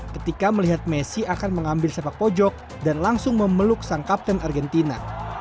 ketika melihat messi akan mengambil sepak pojok dan langsung memeluk sang kapten argentina